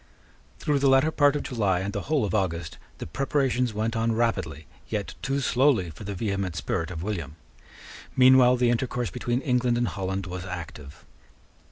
Through the latter part of July and the whole of August the preparations went on rapidly, yet too slowly for the vehement spirit of William. Meanwhile the intercourse between England and Holland was active.